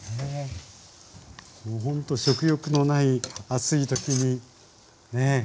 ほんと食欲のない暑い時にねえ。